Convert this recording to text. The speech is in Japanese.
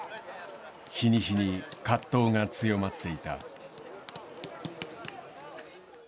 日に日に葛藤が強まっていた。